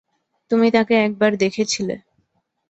তুমি তাকে একবার দেখেছিলে।